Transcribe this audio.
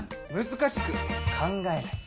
難しく考えない。